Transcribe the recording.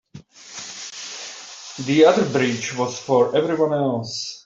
The other bridge was for everyone else.